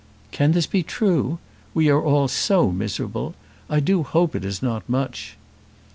"Can this be true? We are all so miserable. I do hope it is not much."